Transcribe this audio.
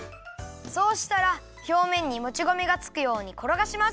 そうしたらひょうめんにもち米がつくようにころがします！